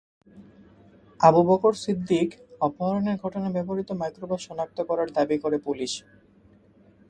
আবু বকর সিদ্দিক অপহরণের ঘটনায় ব্যবহূত মাইক্রোবাস শনাক্ত করার দাবি করে পুলিশ।